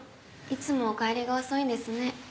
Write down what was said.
いつもお帰りが遅いんですね。